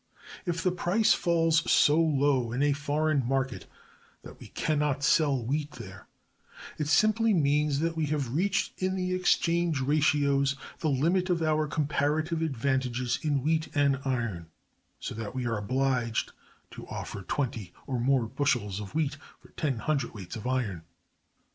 If the price falls so low in a foreign market that we can not sell wheat there, it simply means that we have reached in the exchange ratios the limit of our comparative advantages in wheat and iron; so that we are obliged to offer twenty or more bushels of wheat for ten cwts. of iron.